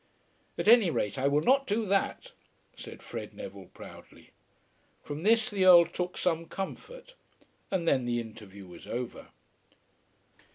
"At any rate I will not do that," said Fred Neville proudly. From this the Earl took some comfort, and then the interview was over.